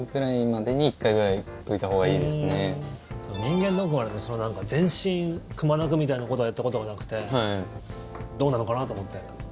人間ドック全身くまなくみたいなことをやったことがなくてどうなのかなと思って。